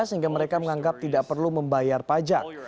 sehingga mereka menganggap tidak perlu membayar pajak